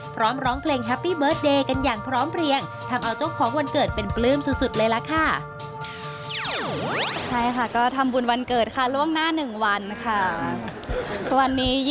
พรุ่งนี้ก็จะ๒๗แล้วค่ะ